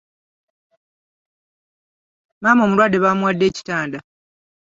Maama omulwadde bamuwadde ekitanda.